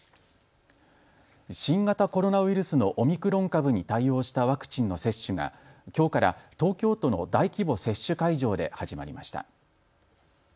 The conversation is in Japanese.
新型コロナウイルスのオミクロン株に対応したワクチンの接種がきょうから東京都の大規模接種会場で始まりました。